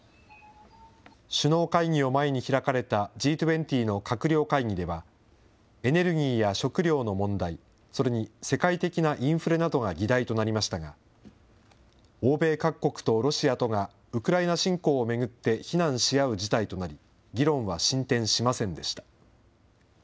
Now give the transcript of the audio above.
首脳会議を前に開かれた、Ｇ２０の閣僚会議では、エネルギーや食料の問題、それに世界的なインフレなどが議題となりましたが、欧米各国とロシアとがウクライナ侵攻を巡って、非難し合う事態となり、議論は進展しませんでした。